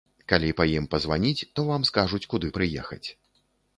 Калі па ім пазваніць, то вам скажуць, куды прыехаць.